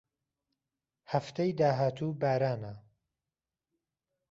هەفتەی داهاتوو بارانە.